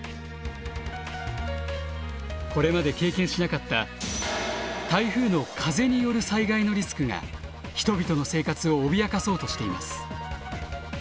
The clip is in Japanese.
これまで経験しなかった台風の風による災害のリスクが人々の生活を脅かそうとしています。